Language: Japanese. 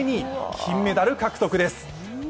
金メダル獲得です。